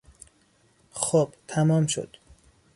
خب، تمام شد!